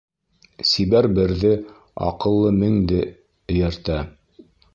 Сибәр берҙе, аҡыллы меңде эйәртә.